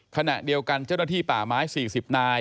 ขณะเดียวกันเจ้าหน้าที่ป่าไม้๔๐นาย